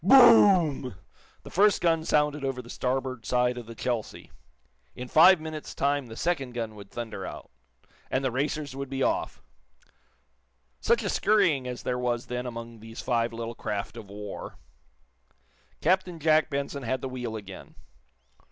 Boom! The first gun sounded over the starboard side of the "Chelsea." In five minutes' time the second gun would thunder out and the racers would be off! Such a scurrying as there was then among these five little craft of war! Captain Jack Benson had the wheel again.